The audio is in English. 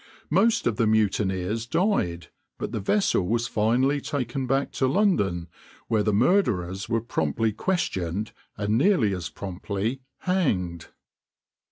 Most of the mutineers died, but the vessel was finally taken back to London, where the murderers were promptly questioned and nearly as promptly hanged.